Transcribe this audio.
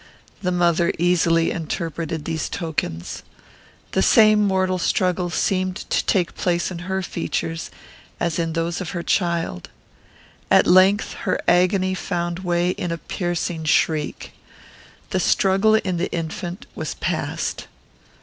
The mother easily interpreted these tokens. The same mortal struggle seemed to take place in her features as in those of her child. At length her agony found way in a piercing shriek. The struggle in the infant was past.